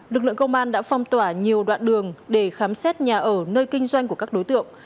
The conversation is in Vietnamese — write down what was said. lực lượng công an đã phong tỏa nhiều đoạn đường để khám xét nhà ở nơi kinh doanh của các đối tượng